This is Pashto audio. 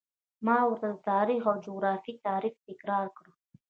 ما ورته د تاریخ او جغرافیې تعریف تکرار کړ.